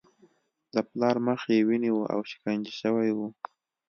د پلار مخ یې وینې و او شکنجه شوی و